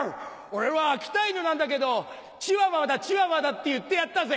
俺は秋田犬なんだけど「チワワだチワワだ」って言ってやったぜ。